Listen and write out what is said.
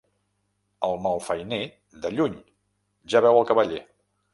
El malfeiner, de lluny, ja veu el cavaller.